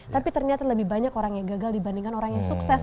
tapi ternyata lebih banyak orang yang gagal dibandingkan orang yang sukses